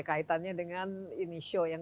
kaitannya dengan ini show yang